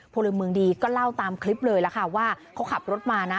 พลเมืองดีก็เล่าตามคลิปเลยล่ะค่ะว่าเขาขับรถมานะ